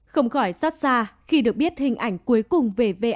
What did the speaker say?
không khỏi xót xa khi được biết hình ảnh cuối cùng về